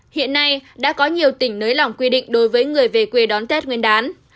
hiện nay đã có nhiều tỉnh nới lỏng quy định đối với người về quê đón tết nguyên đán